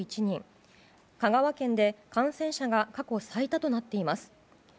香川県で感染者が過去最多となっています。